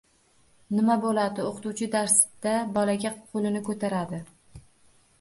Nima bo'ladi, o'qituvchi darsda bolaga qo'lini ko'taradi